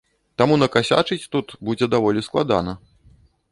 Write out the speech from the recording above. Таму накасячыць тут будзе даволі складана.